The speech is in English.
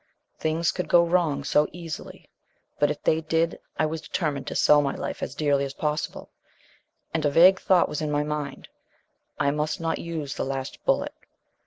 Things could go wrong so easily. But if they did, I was determined to sell my life as dearly as possible. And a vague thought was in my mind: I must not use the last bullet.